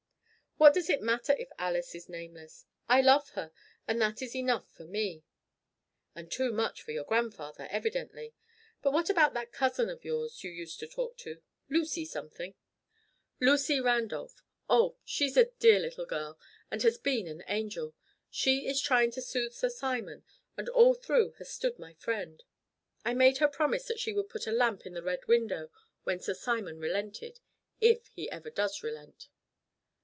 What does it matter if Alice is nameless? I love her, and that is enough for me!" "And too much for your grandfather, evidently. But what about that cousin of yours, you used to talk of? Lucy something " "Lucy Randolph. Oh, she's a dear little girl, and has been an angel. She is trying to soothe Sir Simon, and all through has stood my friend. I made her promise that she would put a lamp in the Red Window when Sir Simon relented if he ever does relent."